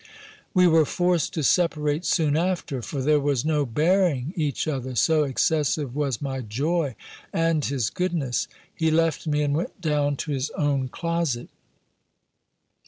We were forced to separate soon after; for there was no bearing each other, so excessive was my Joy, and his goodness. He left me, and went down to his own closet.